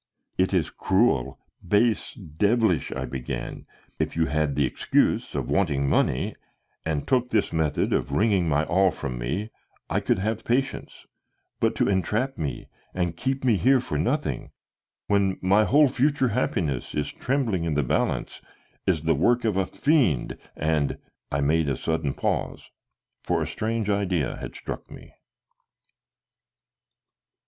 "It is cruel, base, devilish," I began. "If you had the excuse of wanting money, and took this method of wringing my all from me, I could have patience, but to entrap and keep me here for nothing, when my whole future happiness is trembling in the balance, is the work of a fiend and " I made a sudden pause, for a strange idea had struck me.